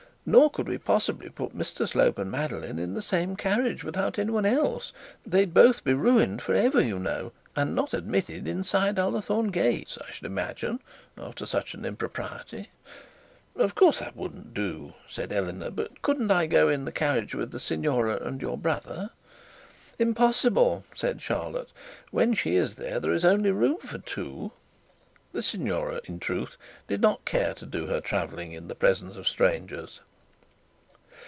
Nor could we possibly put Mr Slope and Madeline in the same carriage without anyone else. They'd both be ruined for ever, you know, and not admitted inside Ullathorne gates, I should imagine, after such an impropriety.' 'Of course that wouldn't do,' said Eleanor; 'but couldn't I go in the carriage with the signora and your brother?' 'Impossible!' said Charlotte. 'When she is there, there is only room for two.' The signora, in truth, did not care to do her travelling in the presence of strangers.